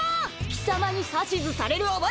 貴様に指図される覚えはない！